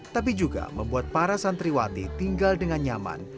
tapi juga membuat para santriwati tinggal dengan nyaman